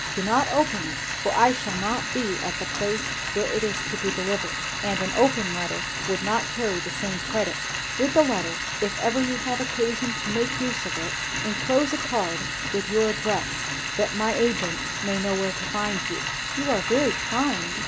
Do not open it; for I shall not be at the place where it is to be delivered, and an open letter would not carry the same credit. With the letter, if ever you have occasion to make use of it, enclose a card with your address; that my agent may know where to find you." "You are very kind!"